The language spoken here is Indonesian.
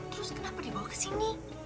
terus kenapa dibawa kesini